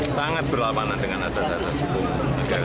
sangat berlawanan dengan asas asas hukum negara